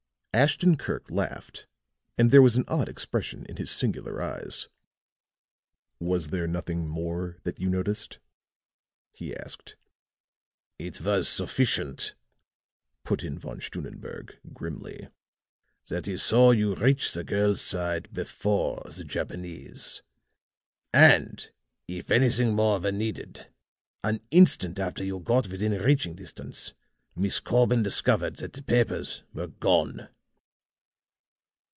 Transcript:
Ashton Kirk laughed, and there was an odd expression in his singular eyes. "Was there nothing more that you noticed?" he asked. "It was sufficient," put in Von Stunnenberg, grimly, "that he saw you reach the girl's side before the Japanese. And, if anything more were needed, an instant after you got within reaching distance, Miss Corbin discovered that the papers were gone."